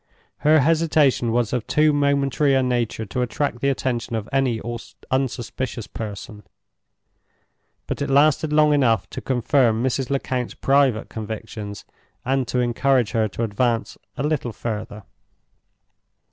Her hesitation was of too momentary a nature to attract the attention of any unsuspicious person. But it lasted long enough to confirm Mrs. Lecount's private convictions, and to encourage her to advance a little further.